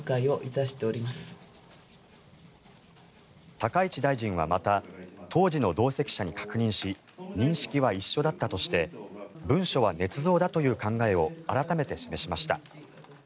高市大臣はまた当時の同席者に確認し認識は一緒だったとして文書はねつ造だという考えを改めて示しました。